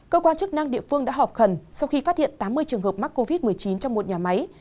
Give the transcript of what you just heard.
cơ quan chức năng địa phương đã họp khẩn sau khi phát hiện tám mươi trường hợp mắc covid một mươi chín trong một nhà máy